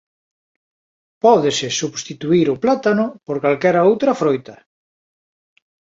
Pódese substituír o plátano por calquera outra froita.